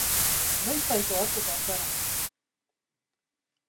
Noizbait ohartuko al zara?